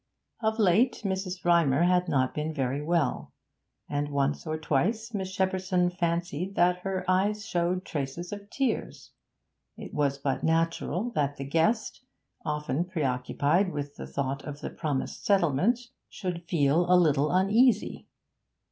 Of late Mrs. Rymer had not been very well, and once or twice Miss Shepperson fancied that her eyes showed traces of tears; it was but natural that the guest, often preoccupied with the thought of the promised settlement, should feel a little uneasy.